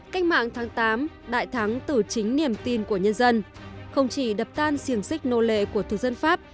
cách mạng tháng tám đại thắng tử chính niềm tin của nhân dân không chỉ đập tan siềng xích nô lệ của thực dân pháp